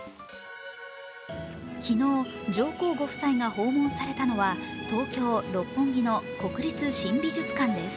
昨日、上皇ご夫妻が訪問されたのは東京・六本木の国立新美術館です。